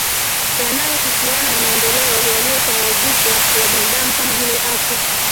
yanayohusiana na maendeleo yaliyosawazishwa ya binadamu kama vile afya